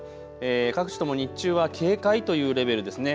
各地とも日中は警戒というレベルですね。